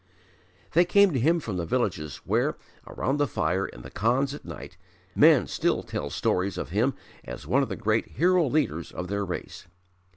They came to him from the villages where, around the fire in the Khans at night, men still tell stories of him as one of the great hero leaders of their race.